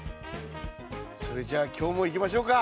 それじゃ今日もいきましょうか。